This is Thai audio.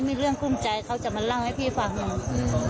มีเรื่องคุ้มใจเขาจะมาลั่งให้พี่ฟังเพราะว่าพี่จะเป็นคนที่ช่วยดูแลเขาตลอด